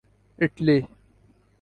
Italy